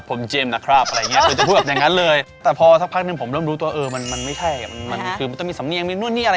เป็นคำพูดที่พูดกับเพื่อนมาว่า